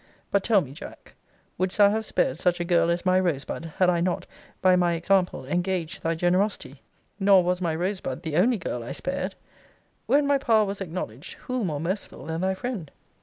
But tell me, Jack, wouldst thou have spared such a girl as my Rosebud, had I not, by my example, engaged thy generosity? Nor was my Rosebud the only girl I spared: When my power was acknowledged, who more merciful than thy friend?